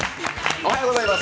おはようございます。